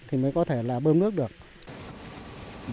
thì mới có thể là bơm nước được hạ thấp xuống